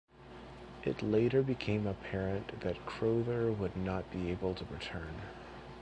It later became apparent that Crowther would not be able to return.